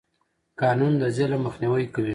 قانون د ظلم مخنیوی کوي.